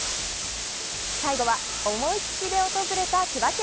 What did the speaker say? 最後は思いつきで訪れた千葉県。